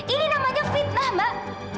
ini namanya fitnah mbak